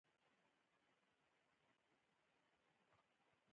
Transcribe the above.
هغوی د منفي غبرګون یوه ځواکمنه پروسه رامنځته کړه.